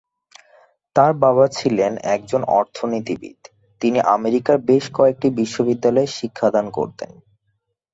তার বাবা ছিলেন একজন অর্থনীতিবিদ, তিনি আমেরিকার বেশ কয়েকটি বিশ্ববিদ্যালয়ে শিক্ষাদান করতেন।